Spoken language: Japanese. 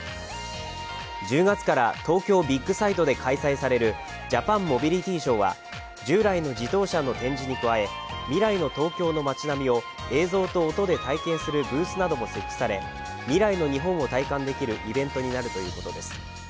１０月から東京ビックサイトで開催されるジャパンモビリティショーは従来の自動車の展示に加え未来の東京の町並みを映像と音で体験するブースなども設置され、未来の日本を体感できるイベントになるということです。